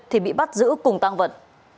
thì bị bắt giữ cùng tăng vận